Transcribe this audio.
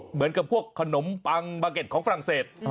เหมือนกับพวกขนมปังบาร์เก็ตของฝรั่งเศส